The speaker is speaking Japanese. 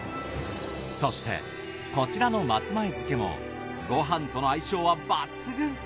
そしてこちらの松前漬けもご飯との相性は抜群。